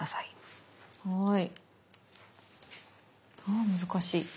あ難しい。